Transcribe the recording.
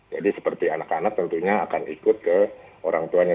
jadi seperti anak anak tentunya akan ikut ke orang tuanya